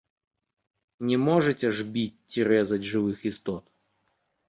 Не можаце ж біць ці рэзаць жывых істот.